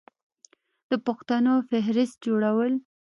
د پوښتنو فهرست جوړول